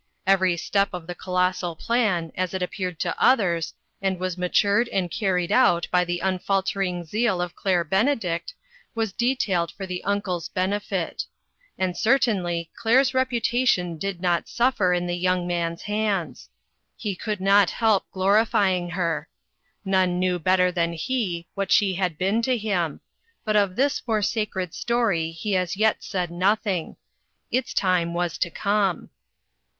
Every step of the colossal plan, as it appeared to others, and was matured and carried out by the unfaltering zeal of Claire Benedict, was detailed for the uncle's ben INTERRUPTED. efit. And certainly Claire's reputation did not suffer in the young man's hands. He could not help glorifying her. None knew better than he, what she had been to him ; but of this more sacred story he as yet said nothing. Its time was to come.